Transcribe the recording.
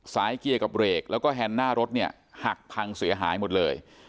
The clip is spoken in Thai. เกียร์กับเบรกแล้วก็แฮนด์หน้ารถเนี่ยหักพังเสียหายหมดเลย